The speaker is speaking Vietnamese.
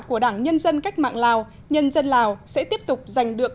của đảng nhân dân cách mạng lào nhân dân lào sẽ tiếp tục giành được